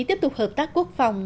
tiếp tục hợp tác quốc phòng